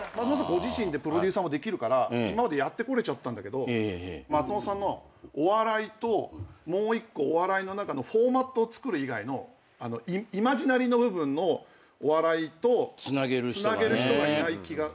ご自身でプロデューサーもできるから今までやってこれちゃったんだけど松本さんのお笑いともう一個お笑いの中のフォーマットをつくる以外のイマジナリーの部分のお笑いとつなげる人がいない気がします。